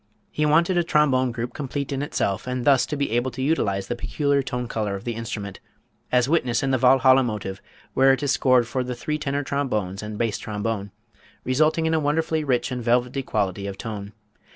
He wanted a trombone group complete in itself, and thus to be able to utilize the peculiar tone color of the instrument; as witness in the Walhalla Motive, where it is scored for the three tenor trombones and bass trombone, resulting in a wonderfully rich and velvety quality of tone.